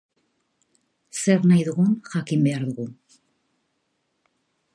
Zer nahi dugun jakin behar dugu.